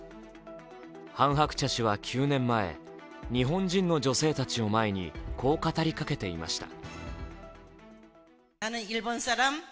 ハン・ハクチャ氏は９年前、日本人の女性たちを前にこう語りかけていました。